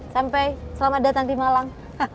sampai selamat datang di malang